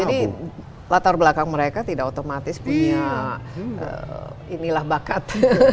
jadi latar belakang mereka tidak otomatis punya inilah bakat